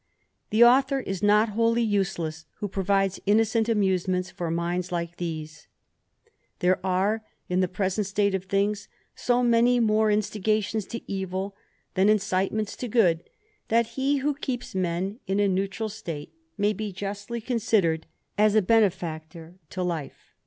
'^he author is not wholly useless, who provides innocent ^'^^Usements for .minds like these. There are^ in the '^^^nt state of things, so many more instigations to evil, ™^*^ incitements to good, that he who keeps men in a "^^tral state, may be iustly considered as a benefactor ^ life.